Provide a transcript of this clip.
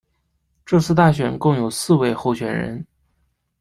这次大选共有四位候选人。